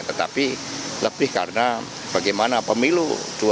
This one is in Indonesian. tetapi lebih karena bagaimana pemilu dua ribu dua puluh empat